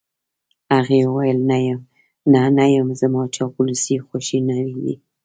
هغې وویل: نه، نه یم، زما چاپلوسۍ خوښې نه دي.